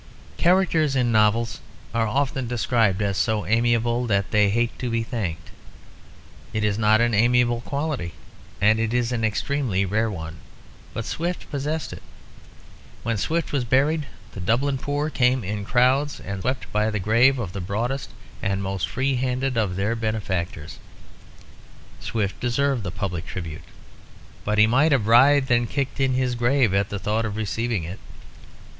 Characters in novels are often described as so amiable that they hate to be thanked. It is not an amiable quality, and it is an extremely rare one; but Swift possessed it. When Swift was buried the Dublin poor came in crowds and wept by the grave of the broadest and most free handed of their benefactors. Swift deserved the public tribute; but he might have writhed and kicked in his grave at the thought of receiving it.